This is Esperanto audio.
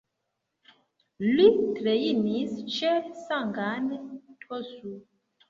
Li trejnis ĉe Sagan Tosu.